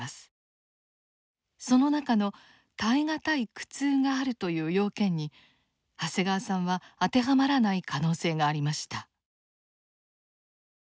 その中の耐え難い苦痛があるという要件に長谷川さんは当てはまらない可能性がありました。